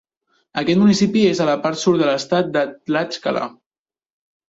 Aquest municipi és a la part sud de l'estat de Tlaxcala.